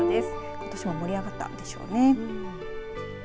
ことしも盛り上がったでしょうね。